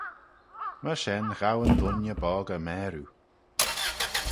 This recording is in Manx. Myr shen ghow yn dooinney boggey maroo.